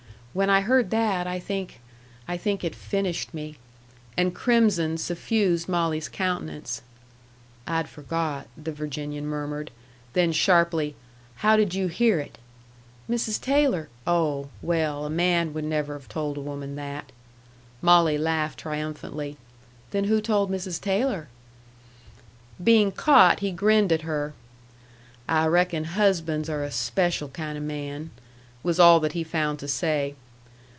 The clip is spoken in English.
When I heard that, I think I think it finished me." And crimson suffused Molly's countenance. "I'd forgot," the Virginian murmured. Then sharply, "How did you hear it?" "Mrs. Taylor " "Oh! Well, a man would never have told a woman that." Molly laughed triumphantly. "Then who told Mrs. Taylor?" Being caught, he grinned at her. "I reckon husbands are a special kind of man," was all that he found to say.